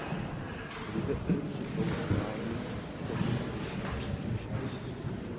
Lidé se dlouho báli k tomu místu přiblížit.